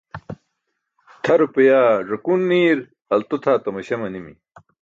Tʰa rupiyaa żakun niir alto tʰaa tamaśa manimi.